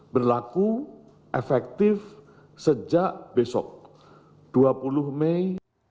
berlaku efektif sejak besok dua puluh mei